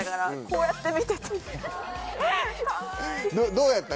どうやった？